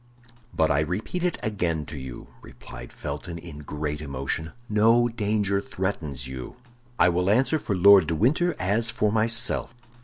"But I repeat it again to you," replied Felton, in great emotion, "no danger threatens you; I will answer for Lord de Winter as for myself."